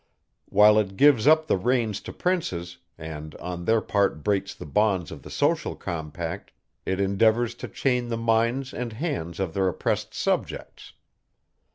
While it gives up the reins to princes, and on their part breaks the bonds of the social compact, it endeavours to chain the minds and hands of their oppressed subjects.